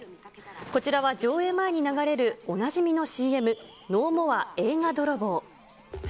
こちらは上映前に流れるおなじみのＣＭ、ノーモア・映画泥棒。